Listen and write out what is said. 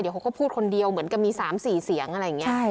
เขาก็พูดคนเดียวเหมือนกับมี๓๔เสียงอะไรอย่างนี้